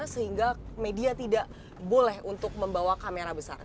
sehingga media tidak boleh untuk membawa kamera besar